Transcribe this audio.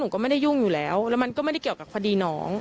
ลูกสาวหลายครั้งแล้วว่าไม่ได้คุยกับแจ๊บเลยลองฟังนะคะ